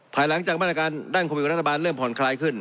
ภายหลังจากแม่นอาการดั้งควบคุมกับนักรัฐบาลเริ่มผ่อนคลายขึ้น